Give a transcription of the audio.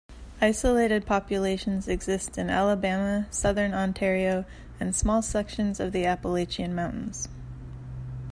Isolated populations exist in Alabama, Southern Ontario, and small sections of the Appalachian Mountains.